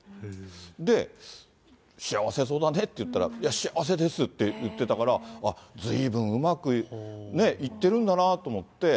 で、幸せそうだねって言ったら、幸せですって言ってたから、あっ、ずいぶんうまく、ね、いってるんだなと思って。